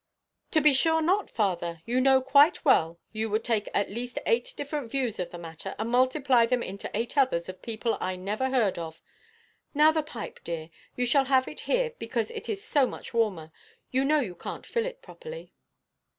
"To be sure not, father. You know quite well you would take at least eight different views of the matter, and multiply them into eight others of people I never heard of. Now the pipe, dear. You shall have it here, because it is so much warmer. You know you canʼt fill it properly."